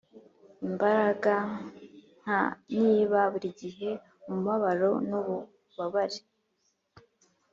imbaraga nk, niba burigihe umubabaro nububabare